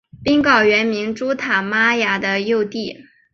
宾告原名朱他玛尼的幼弟。